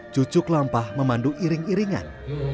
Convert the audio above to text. cucuk lampah memandu iring iringan